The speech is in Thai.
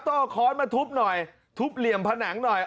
ต้องเอาค้อนมาทุบหน่อยทุบเหลี่ยมผนังหน่อย